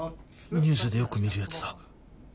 ニュースでよく見るやつだ。